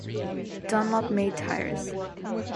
Dunlop made tyres.